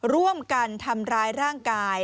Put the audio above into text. ร่วมกันทำร้ายร่างกาย